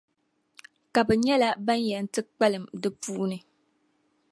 ka bɛ nyɛla ban yɛn ti kpalim di puuni,